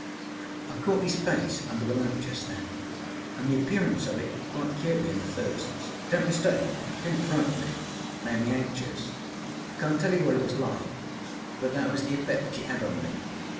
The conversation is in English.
â I caught âis face under a lamp just then, anâ the appearance of it quite cured me of my thirsts. Donât mistake. It didnât frighten me. It made me anxious. I canât tell you what it was like, but that was the effect which it âad on me.